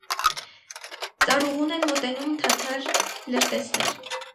Ծառուղուն են մոտենում թաթար լրտեսներ։